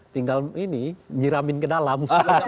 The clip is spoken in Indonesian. tinggal ini nyiramin ke dalam